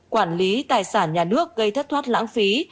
quản lý tài sản nhà nước gây thất thoát lãng phí